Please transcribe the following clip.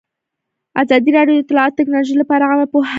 ازادي راډیو د اطلاعاتی تکنالوژي لپاره عامه پوهاوي لوړ کړی.